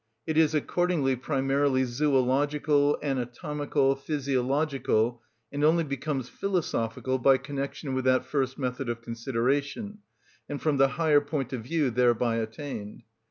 It is accordingly primarily zoological, anatomical, physiological, and only becomes philosophical by connection with that first method of consideration, and from the higher point of view thereby attained.